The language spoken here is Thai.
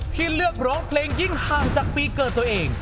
ที่เลือกร้องเพลงยิ่งห่างจากปีเกิดตัวเอง